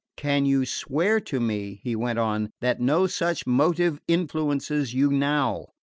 "Can you swear to me," he went on, "that no such motive influences you now?